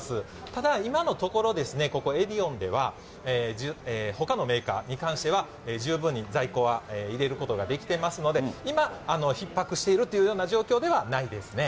ただ今のところ、ここ、エディオンでは、ほかのメーカーに関しては十分に在庫は入れることができてますので、今、ひっ迫しているというような状況ではないですね。